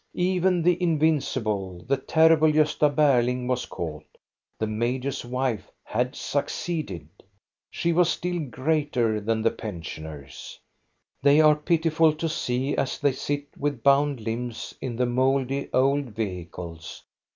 Even the invincible, the terrible Gosta Berlmg was caught. The major's wife had succeeded. She was still greater than the pensioners. They are pitiful to see, as they sit with bound limbs in the mouldy old vehicles.